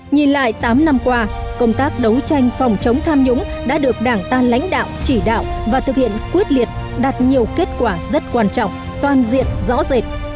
nhìn lại tám năm qua công tác đấu tranh phòng chống tham nhũng đã được đảng ta lãnh đạo chỉ đạo và thực hiện quyết liệt đạt nhiều kết quả rất quan trọng toàn diện rõ rệt